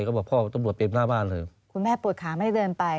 ก็บอกพ่อตำรวจเตรียมหน้าบ้านเลยคุณแม่ปวดขาไม่ได้เดินไป